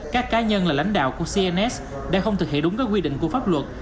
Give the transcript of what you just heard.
các cá nhân là lãnh đạo của cns đã không thực hiện đúng các quy định của pháp luật